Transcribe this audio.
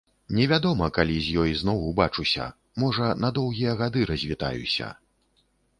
Невядома, калі з ёй зноў убачуся, можа, на доўгія гады развітаюся.